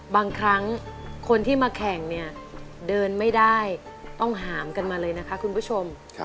บางครั้งคนที่มาแข่งเนี่ยเดินไม่ได้ต้องหามกันมาเลยนะคะคุณผู้ชม